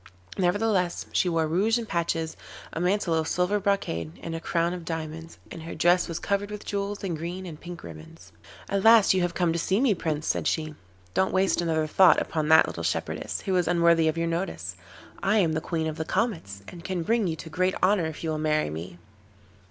Nevertheless she wore rouge and patches, a mantle of silver brocade and a crown of diamonds, and her dress was covered with jewels, and green and pink ribbons. 'At last you have come to see me, Prince,' said she. 'Don't waste another thought upon that little shepherdess, who is unworthy of your notice. I am the Queen of the Comets, and can bring you to great honour if you will marry me.